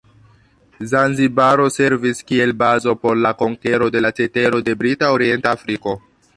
Zanzibaro servis kiel bazo por la konkero de la cetero de Brita Orienta Afriko.